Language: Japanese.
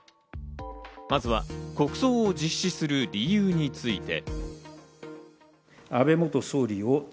まずは国葬を実施する理由について。